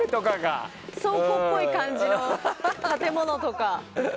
倉庫っぽい感じの建物とか。